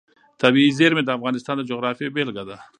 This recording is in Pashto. طبیعي زیرمې د افغانستان د جغرافیې بېلګه ده.